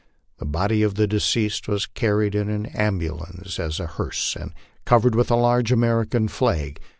The body of the deceased was carried in an ambulaiice as a hearse, and covered with a large American flag.